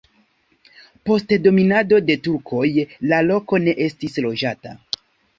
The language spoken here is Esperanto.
Post dominado de turkoj la loko ne estis loĝata.